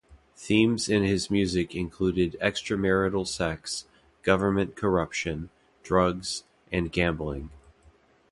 Themes in his music included extra-marital sex, government corruption, drugs, and gambling.